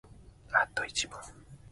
あと一問